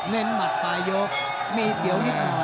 เงินหมัดปลายยกมีเสียวที่หมดหมดยกสุดท้าย